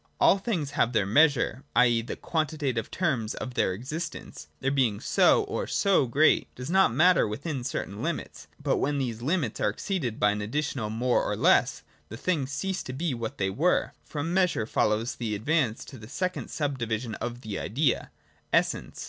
All things have their measure : i. e. the quantitative terms of their existence, their being so or so great, does not matter within certain limits ; but when these limits are exceeded by an additional more or less, the things cease to be what they were. From measure follows the advance to the second sub division of the idea. Essence.